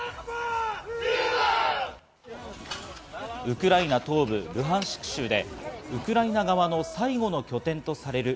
ウクライナ東部ルハンシク州でウクライナ側の最後の拠点とされる